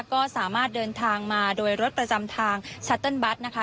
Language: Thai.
ก็สามารถเดินทางมาโดยรถประจำทางชัตเติ้ลบัตรนะคะ